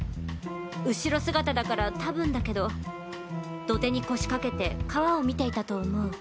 後ろ姿だから多分だけど土手に腰かけて川を見ていたと思う。